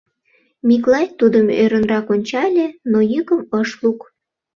Миклай тудым ӧрынрак ончале, но йӱкым ыш лук.